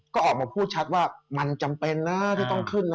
ก็ออกมาพูดชัดว่ามันจำเป็นนะที่ต้องขึ้นนะ